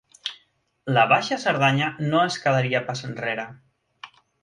La Baixa Cerdanya no es quedaria pas enrere.